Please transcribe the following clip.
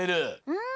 うん！